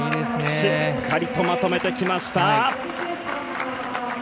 しっかりとまとめてきました。